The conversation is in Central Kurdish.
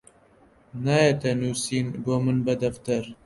نایەتە نووسین بۆ من بە دەفتەر